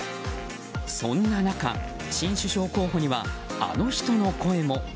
そんな中、新首相候補にはあの人の声も。